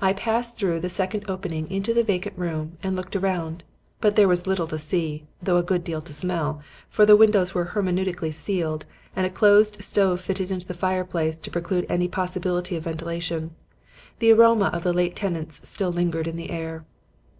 I passed through the square opening into the vacant room and looked round, but there was little to see, though a good deal to smell, for the windows were hermetically sealed and a closed stove fitted into the fireplace precluded any possibility of ventilation. The aroma of the late tenants still lingered in the air.